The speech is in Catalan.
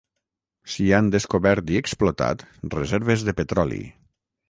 S'hi han descobert i explotat reserves de petroli.